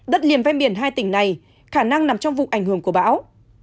đất liền ven biển hai tỉnh này khả năng nằm trong vùng ảnh hưởng của bão